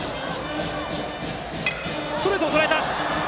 ストレートをとらえた！